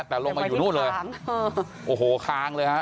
แต่ลงมาอยู่นู่นเลยโอ้โหคางเลยฮะ